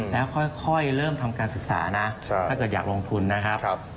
แล้วค่อยเริ่มทำการศึกษานะถ้าเกิดอยากลงทุนนะครับ